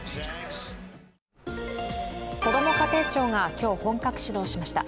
こども家庭庁が今日本格始動しました。